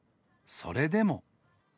それでも。